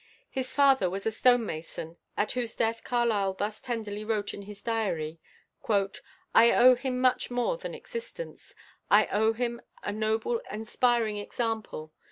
His father was a stonemason, at whose death Carlyle thus tenderly wrote in his Diary: "I owe him much more than existence. I owe him a noble inspiring example.